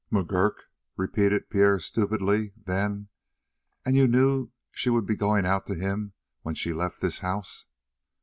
"McGurk!" repeated Pierre stupidly; then: "And you knew she would be going out to him when she left this house?"